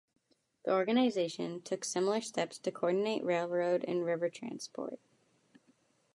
The organization took similar steps to coordinate railroad and river transport.